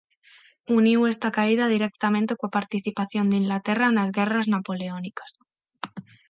Uniu esta caída directamente coa participación de Inglaterra nas Guerras Napoleónicas.